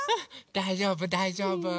だいじょうぶだいじょうぶ。